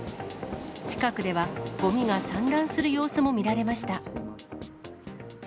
近くでは、ごみが散乱する様子も見られました。